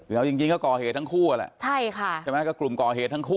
แล้วจริงก็ก่อเหตุทั้งคู่อ่ะแหละใช่ค่ะใช่ไหมก็กลุ่มก่อเหตุทั้งคู่